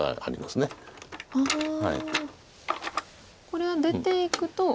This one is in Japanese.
これは出ていくと。